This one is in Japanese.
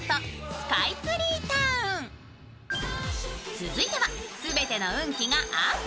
続いては、すべての運気がアップ